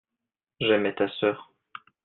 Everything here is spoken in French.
j'aimais ta sœur.